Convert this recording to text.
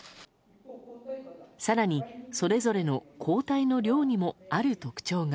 更に、それぞれの抗体の量にもある特徴が。